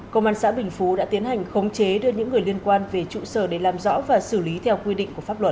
công an xã bình phú đã tiến hành khống chế đưa những người liên quan về trụ sở để làm rõ và xử lý theo quy định của pháp luật